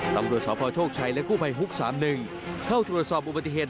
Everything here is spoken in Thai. ตรวจสอบภาวโชคชัยและคู่ไปฮุกสามหนึ่งเข้าตรวจสอบอุบัติเหตุ